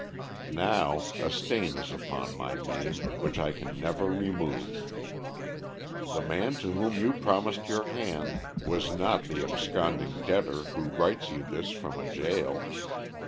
Now a stain is upon my name, which I can never remove. The man to whom you promised your hand was not the absconding debtor who writes you this from a jail.